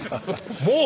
もう？